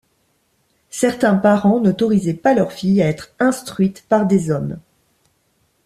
Certains parents n'autorisaient pas leurs filles à être instruites par des hommes.